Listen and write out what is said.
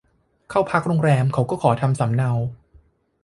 เข้าพักโรงแรมเขาก็ขอทำสำเนา